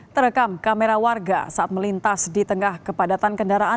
terekam kamera warga saat melintas di tengah kepadatan kendaraan